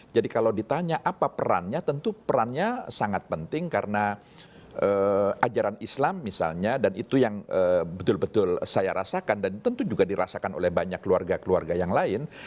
jadi kalau ditanya apa perannya tentu perannya sangat penting karena ajaran islam misalnya dan itu yang betul betul saya rasakan dan tentu juga dirasakan oleh banyak keluarga keluarga yang lain